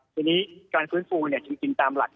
ทีนี้การฟื้นฟูจริงตามหลัก